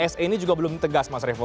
se ini juga belum tegas mas revo